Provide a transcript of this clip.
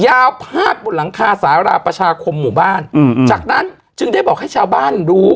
พาดบนหลังคาสาราประชาคมหมู่บ้านอืมจากนั้นจึงได้บอกให้ชาวบ้านรู้